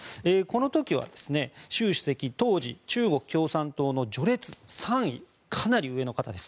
この時は習主席当時、中国共産党の序列３位、かなり上の方です。